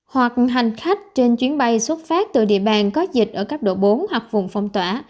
hoặc hành khách trên chuyến bay xuất phát từ địa bàn có dịch ở cấp độ bốn hoặc vùng phong tỏa